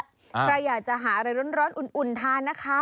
ใครอยากจะหาอะไรร้อนอุ่นทานนะคะ